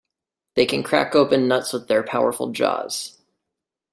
They can crack open nuts with their powerful jaws.